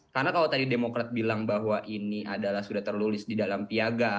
karena kalau tadi demokrat bilang bahwa ini adalah sudah terlulis di dalam piaga